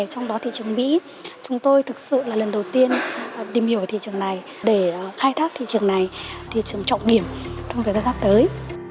trong đó thị trường mỹ chúng tôi thực sự là lần đầu tiên tìm hiểu về thị trường này để khai thác thị trường này thị trường trọng điểm thông tin ra sắp tới